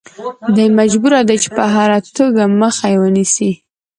دی مجبور دی چې په هره توګه مخه یې ونیسي.